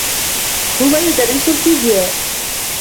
هو يدرس الفزياء.